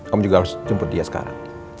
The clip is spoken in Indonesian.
kamu juga harus jemput dia sekarang